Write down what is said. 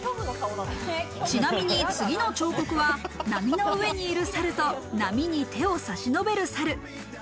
ちなみに次の彫刻は、波の上にいる猿と、波に手を差し伸べる猿。